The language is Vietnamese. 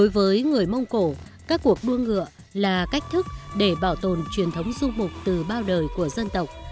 với người mông cổ các cuộc đua ngựa là cách thức để bảo tồn truyền thống dung mục từ bao đời của dân tộc